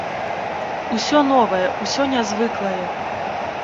Усё новае, усё нязвыклае.